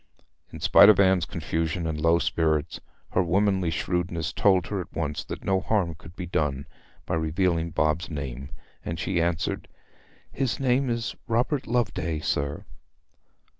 In spite of Anne's confusion and low spirits, her womanly shrewdness told her at once that no harm could be done by revealing Bob's name; and she answered, 'His name is Robert Loveday, sir.'